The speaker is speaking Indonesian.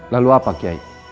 lalu apa kiai